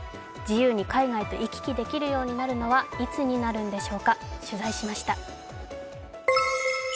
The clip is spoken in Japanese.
自由に海外と行き来できるようになるのはいつになるんでしょうか取材しました。